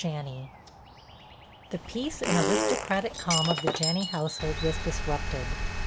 JANNEY! The peace and aristocratic calm of the Janney household was disrupted.